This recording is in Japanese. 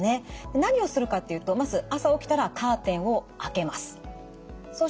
何をするかっていうとまず朝起きたらカーテンをあけます。